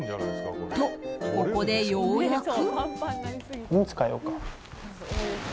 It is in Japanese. と、ここでようやく。